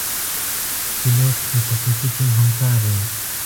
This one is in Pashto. پیلوټ د تخنیکي ټیم همکار وي.